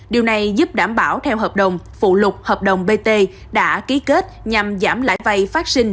điều này giúp đảm bảo theo hợp đồng phụ lục hợp đồng bt đã ký kết nhằm giảm lãi vay phát sinh